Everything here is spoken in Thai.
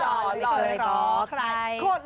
เอาละลุ้นกันต่อไปทุกผู้ชม